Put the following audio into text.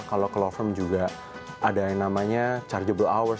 kalau law firm juga ada yang namanya chargeable hours